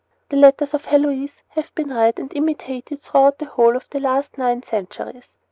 The letters of Heloise have been read and imitated throughout the whole of the last nine centuries.